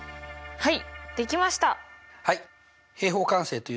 はい。